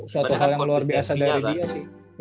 suatu hal yang luar biasa dari dia sih